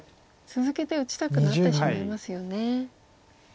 続けて打ちたくなってしまいますよね。